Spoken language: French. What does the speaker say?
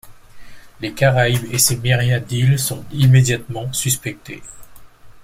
Les Caraïbes est ses myriades d'îles sont immédiatement suspectées.